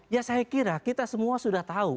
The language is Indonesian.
ya saya kira kita semua sudah tahu